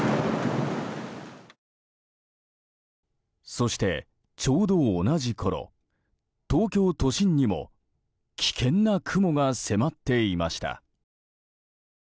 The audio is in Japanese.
そして、ちょうど同じころ東京都心にも危険な雲が迫っていました。